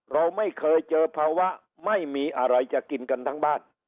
เราไม่เคยเจอภาวะไม่มีอะไรจะกินกันทั้งบ้าน